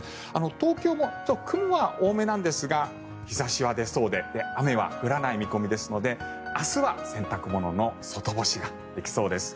東京も雲は多めなんですが日差しは出そうで雨は降らない見込みですので明日は洗濯物の外干しができそうです。